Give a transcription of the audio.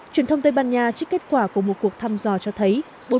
truyền thông tây ban nha trích kết quả của một cuộc thăm dò cho thấy